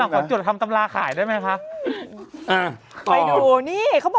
บางคนจุดทำตำราขายได้ไหมคะ